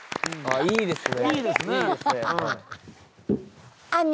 いいですね。